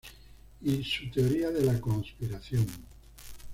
Y su "Teoría de la conspiración.